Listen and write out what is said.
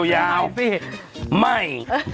ยาวไม่